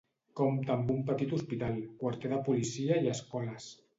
Compta amb un petit hospital, quarter de policia i escoles.